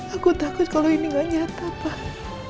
aku takut kalau ini gak nyata pak